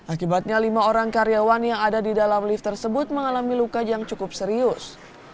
akibatnya lima orang karyawan yang ada di dalam lift tersebut mengalami luka yang cukup serius